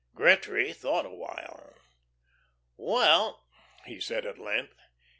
Gretry thought a while. "Well," he said, at length, "...